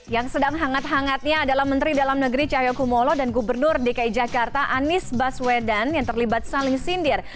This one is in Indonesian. yang sedang hangat hangatnya adalah menteri dalam negeri cahyokumolo dan gubernur dki jakarta anies baswedan yang terlibat saling sindir